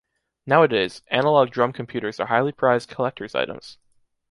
Nowadays, analog drum computers are highly prized collector’s items.